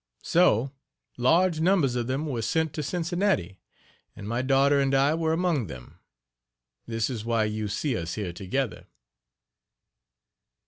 So, large numbers of them were sent to Cincinnati, and my daughter and I were among them. This is why you see us here together.